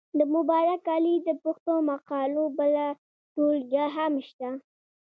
د مبارک علي د پښتو مقالو بله ټولګه هم شته.